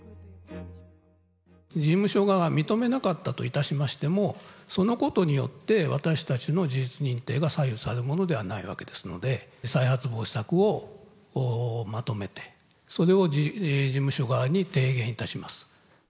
事務所側が認めなかったといたしましても、そのことによって、私たちの事実認定が左右されるものではないわけですので、再発防止策をまとめて、それを事務所側に提言いたします。